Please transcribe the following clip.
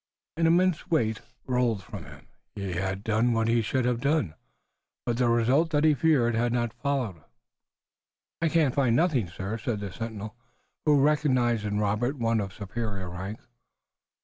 An immense weight rolled from him. He had done what he should have done, but the result that he feared had not followed. "I can find nothing, sir," said the sentinel, who recognized in Robert one of superior rank.